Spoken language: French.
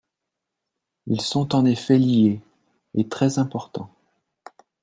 Ils sont en effet liés, et très importants.